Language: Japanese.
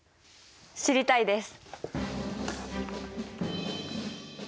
知りたいです！